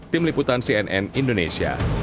tim liputan cnn indonesia